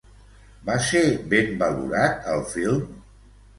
Va ser ben valorat el film?